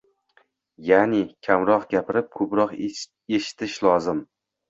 Ya’ni, kamroq gapirib, ko‘proq eshitish lozim.